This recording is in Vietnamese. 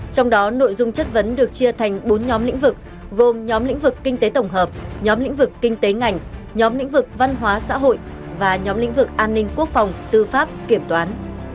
trong đó nội dung chất vấn được chia thành bốn nhóm lĩnh vực gồm nhóm lĩnh vực kinh tế tổng hợp nhóm lĩnh vực kinh tế ngành nhóm lĩnh vực văn hóa xã hội và nhóm lĩnh vực an ninh quốc phòng tư pháp kiểm toán